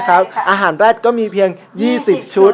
อาหารแร็ดก็มีเพียง๒๐ชุด